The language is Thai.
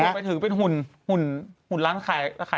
ถึงเป็นหุ่นหุ่นร้านขายเสื้อผ้า